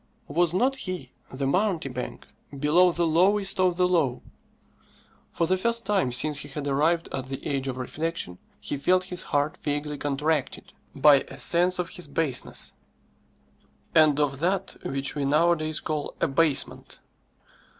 Was not he, the mountebank, below the lowest of the low? For the first time since he had arrived at the age of reflection, he felt his heart vaguely contracted by a sense of his baseness, and of that which we nowadays call abasement.